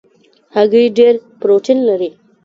هګۍ ډېره پروټین لري.